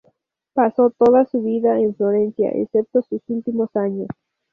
Pasó toda su vida en Florencia, excepto sus últimos años.